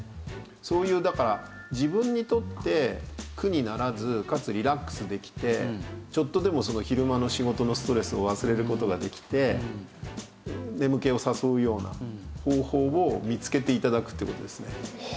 そういうだから自分にとって苦にならずかつリラックスできてちょっとでも昼間の仕事のストレスを忘れる事ができて眠気を誘うような方法を見つけて頂くっていう事ですね。